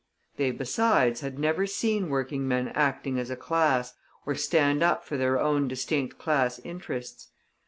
They, besides, had never seen working men acting as a class, or stand up for their own distinct class interests.